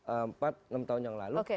empat enam tahun yang lalu